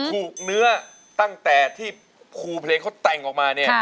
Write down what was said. ถูกเนื้อตั้งแต่ที่ครูเพลงเขาแต่งออกมาเนี่ย